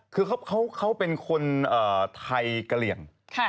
คือเขาเป็นคนไทยกะเหลี่ยง